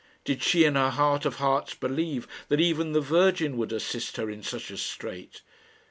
Did she in her heart of hearts believe that even the Virgin would assist her in such a strait?